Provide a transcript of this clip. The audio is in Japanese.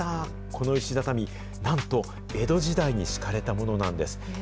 この石畳、なんと江戸時代に敷かれたものなんです。